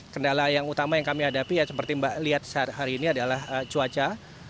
kendala yang utama yang kami hadapi ya seperti mbak lihat hari ini adalah cuaca